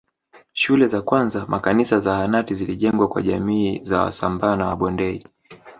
Shule za kwanza makanisa zahanati zilijengwa kwa jamii za wasambaa na wabondei